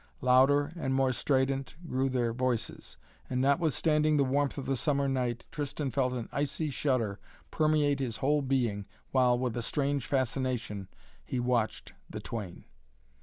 Louder and more strident grew their voices, and, notwithstanding the warmth of the summer night, Tristan felt an icy shudder permeate his whole being while, with a strange fascination, he watched the twain.